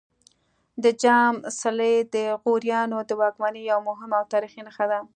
د جام څلی د غوریانو د واکمنۍ یوه مهمه او تاریخي نښه ده